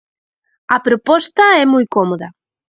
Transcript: A proposta é moi cómoda.